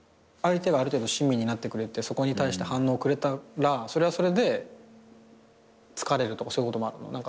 相手がある程度親身になってくれてそこに対して反応をくれたらそれはそれで疲れるとかそういうこともあるの？